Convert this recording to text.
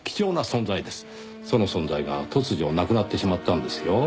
その存在が突如なくなってしまったんですよ。